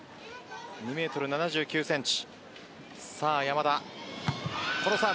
２ｍ７９ｃｍ。